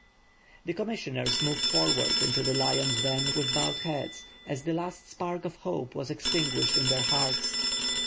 The commissioners moved forward into the lion's den with bowed heads as the last spark of hope was extinguished in their hearts.